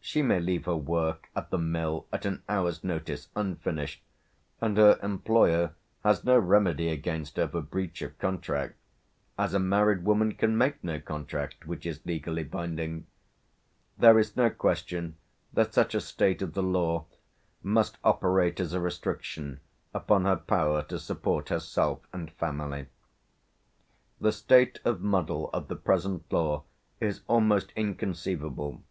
She may leave her work at the mill at an hour's notice unfinished, and her employer has no remedy against her for breach of contract, as a married woman can make no contract which is legally binding. There is no question that such a state of the law must operate as a restriction upon her power to support herself and family. "The state of muddle of the present law is almost inconceivable.